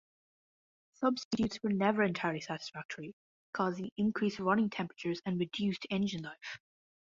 Substitutes were never entirely satisfactory - causing increased running temperatures and reduced engine life.